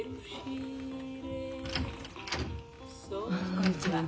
こんにちは。